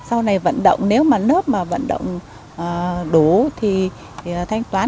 sau này vận động nếu mà lớp mà vận động đủ thì thanh toán